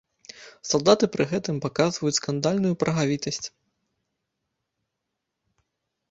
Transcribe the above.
Салдаты пры гэтым паказваюць скандальную прагавітасць.